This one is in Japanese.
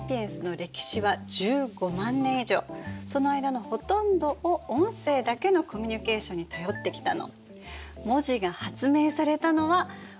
私たちその間のほとんどを音声だけのコミュニケーションに頼ってきたの。